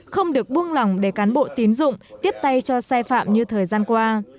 không được buông lỏng để cán bộ tín dụng tiếp tay cho sai phạm như thời gian qua